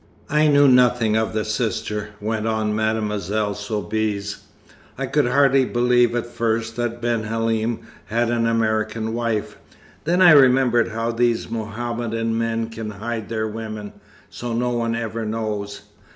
"I knew nothing of the sister," went on Mademoiselle Soubise. "I could hardly believe at first that Ben Halim had an American wife. Then I remembered how these Mohammedan men can hide their women, so no one ever knows.